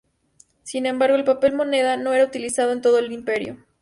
Sin embargo el papel moneda no era utilizado en todo el imperio.